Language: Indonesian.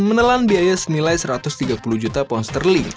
menelan biaya senilai satu ratus tiga puluh juta pound sterling